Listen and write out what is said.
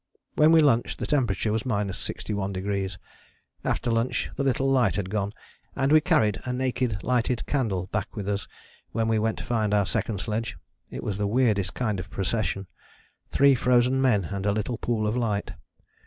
When we lunched the temperature was 61°. After lunch the little light had gone, and we carried a naked lighted candle back with us when we went to find our second sledge. It was the weirdest kind of procession, three frozen men and a little pool of light.